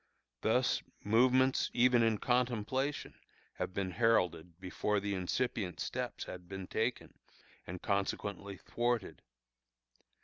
Thus movements even in contemplation have been heralded before the incipient steps had been taken, and consequently thwarted.